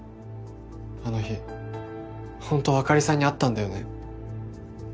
あの日ホントはあかりさんに会ったんだよね？